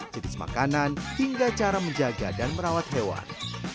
jenis makanan hingga cara menjaga dan merawat hewan